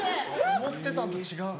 思ってたんと違う。